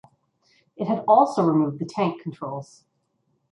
It had also removed the tank controls.